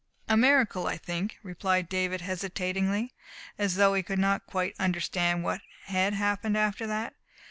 "A miracle, I think," replied David hesitatingly, as though he could not quite understand what had happened after that.